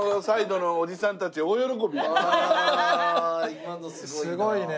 今のすごいな。